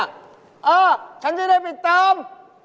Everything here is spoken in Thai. เออฉันจะได้ไปตาม